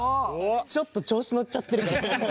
ちょっと調子乗っちゃってる。